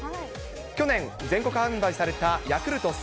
去年、全国販売されたヤクルト１０００。